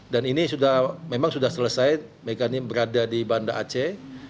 dan ini sudah memang sudah selesai mereka ini berada di banda aceh